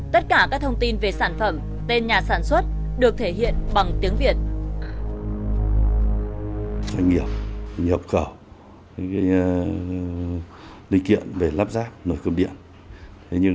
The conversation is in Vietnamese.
tất cả các thông tin về sản phẩm tên nhà sản xuất được thể hiện bằng tiếng việt